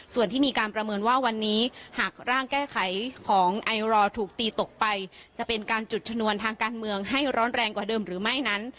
ส่วนที่มีการประเมินว่าวันนี้หากร่างแก้ไขของไอรอถูกตีตกไปจะเป็นการจุดชนวนทางการเมืองให้ร้อนแรงกว่าเดิมหรือไม่นั้น